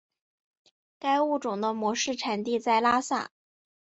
该物种的模式产地在拉萨。